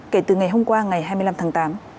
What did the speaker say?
kể từ ngày hôm qua ngày hai mươi năm tháng tám